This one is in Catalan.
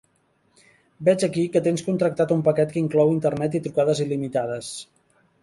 Veig aquí que tens contractat un paquet que inclou internet i trucades il·limitades.